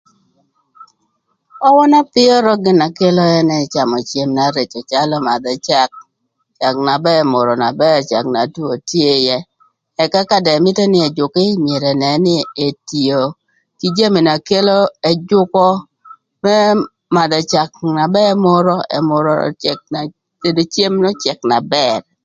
Awöna öpïö ro gïnï kelo ënë camö cem na reco calö madhö cak, cak na ba ëmürö na bër cak na twö tye ïë ëka ka dong ëmïtö nï ëjükï myero ënën nï ëtïö kï jami na kelo ëjükö më madhö cak na ba ëmürö ëmürö öcëk etedo cem n'öcëk na bër rwök.